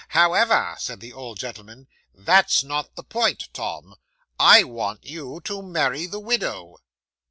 '"However," said the old gentleman, "that's not the point. Tom! I want you to marry the widow."